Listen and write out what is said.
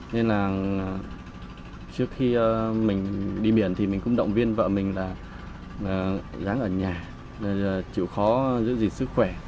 nên là trước khi mình đi biển thì mình cũng động viên vợ mình là dáng ở nhà chịu khó giữ gìn sức khỏe